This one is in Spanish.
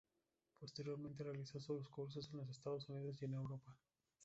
Posteriormente realizó cursos en los Estados Unidos y en Europa.